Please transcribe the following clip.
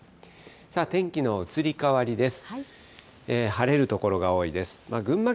天気の移り変わりです。